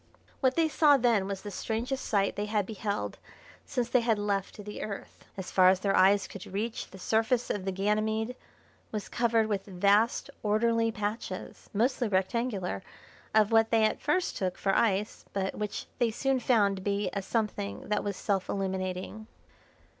What they saw then was the strangest sight they had beheld since they had left the Earth. As far as their eyes could reach the surface of the Ganymede was covered with vast orderly patches, mostly rectangular, of what they at first took for ice, but which they soon found to be a something that was self illuminating.